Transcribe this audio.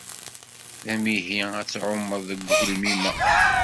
D amihi ad tɛumeḍ deg ugelmim-a.